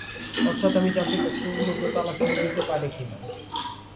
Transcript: অর্থাৎ আমি জানতে চাচ্ছি, অন্য কেউ তালা খুলে দিতে পারে কি না।